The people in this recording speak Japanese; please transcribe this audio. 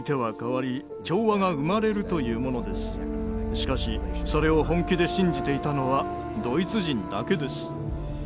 しかしそれを本気で信じていたのはドイツ人だけです。